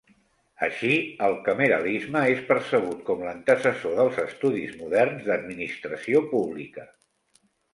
Així, el cameralisme és percebut com l'antecessor dels estudis moderns d'administració pública.